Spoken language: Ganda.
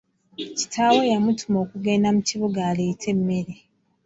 Kitaawe yamutuma okugenda mu kibuga aleete emmere.